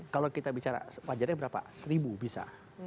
kalau kita bicara wajarnya berapa seribu bisa